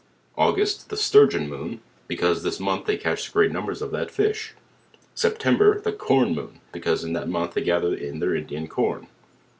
August, the Sturgeon Moon; because in this IDOL ft they catch great numbers of that fish. September, the Corn Moon; because in that month they gather in their Indian Corn.